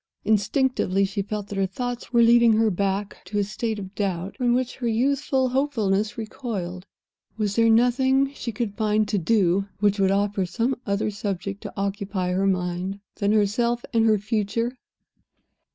Instinctively, she felt that her thoughts were leading her back again to a state of doubt from which her youthful hopefulness recoiled. Was there nothing she could find to do which would offer some other subject to occupy her mind than herself and her future?